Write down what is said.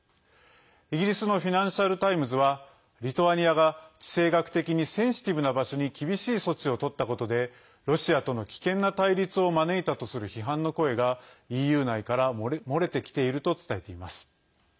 イギリスのフィナンシャルタイムズはリトアニアが地政学的にセンシティブな場所に厳しい措置をとったことでロシアとの危険な対立を招いたとする批判の声がＥＵ内から漏れてきていると伝えています。